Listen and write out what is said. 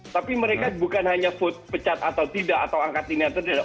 tapi mereka bukan hanya vote pecat atau tidak atau angkat ini atau tidak